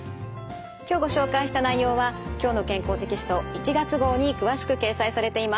今日ご紹介した内容は「きょうの健康」テキスト１月号に詳しく掲載されています。